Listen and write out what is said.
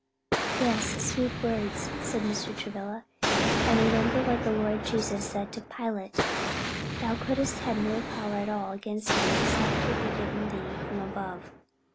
'" "Yes, sweet words," said Mr. Travilla; "and remember what the Lord Jesus said to Pilate, 'Thou couldst have no power at all against me, except it were given thee from above.'"